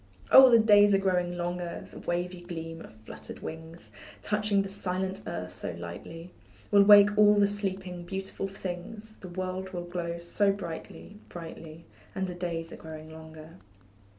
Oh, the days are growing longer, The wavy gleam of fluttering wings, Touching the silent earth so lightly, Will wake all the sleeping, beautiful things, The world will glow so brightly brightly; And the days are growing longer.